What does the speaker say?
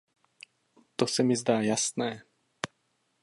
To se mi zdá jasné.